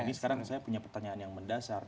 ini sekarang saya punya pertanyaan yang mendasar